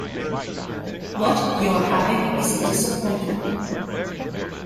What you're having is a disappointment.